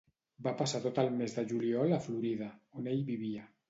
Va passar tot el mes de juliol a Florida, on ell vivia.